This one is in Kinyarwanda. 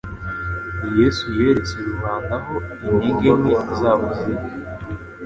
Yesu yeretse rubanda aho intege nke zabo ziri;